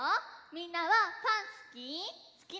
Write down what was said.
みんなはパンすき？